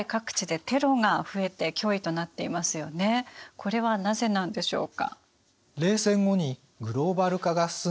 これはなぜなんでしょうか？